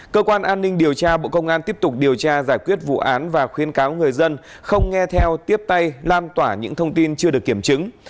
cơ quan an ninh điều tra bộ công an tiếp tục điều tra giải quyết vụ án và khuyên cáo người dân không nghe theo tiếp tay lan tỏa những thông tin chưa được kiểm chứng